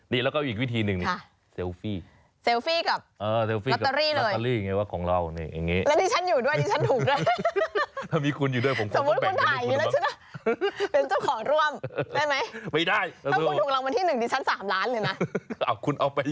นี่แล้วก็อีกวิธีหนึ่งซัลฟี่